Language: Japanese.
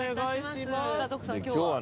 さあ徳さん今日は？